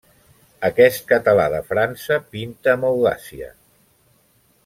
Aquest català de França pinta amb audàcia.